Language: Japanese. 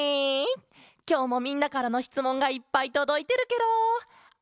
きょうもみんなからのしつもんがいっぱいとどいてるケロ。